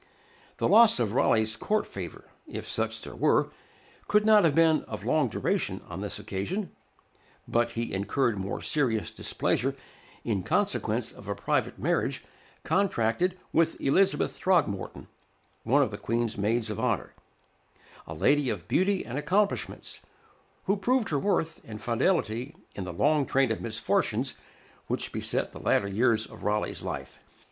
The loss of Raleigh's court favor, if such there were, could not have been of long duration on this occasion But he incurred more serious displeasure in consequence of a private marriage contracted with Elizabeth Throgmorton, one of the Queen's maids of honor, a lady of beauty and accomplishments, who proved her worth and fidelity in the long train of misfortunes which beset the latter years of Raleigh's life.